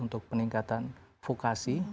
untuk peningkatan vokasi